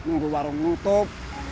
untuk warung nutup